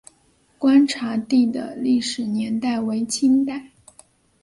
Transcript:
观察第的历史年代为清代。